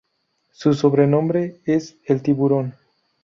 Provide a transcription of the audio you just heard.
Su sobrenombre es El tiburón.